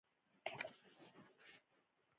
کلتور د افغانستان د دوامداره پرمختګ لپاره اړین دي.